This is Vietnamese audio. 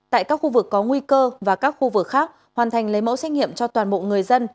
tại các khu vực có nguy cơ và các khu vực khác hoàn thành lấy mẫu xét nghiệm cho toàn bộ người dân